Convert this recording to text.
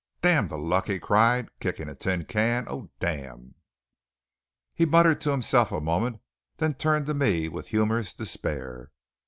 "Damn the luck!" he cried, kicking a tin can. "Oh, damn!" He muttered to himself a moment, then turned to me with humorous despair.